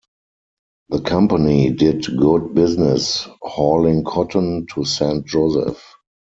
The company did good business hauling cotton to Saint Joseph.